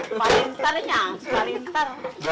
sekali ntar nyang sekali ntar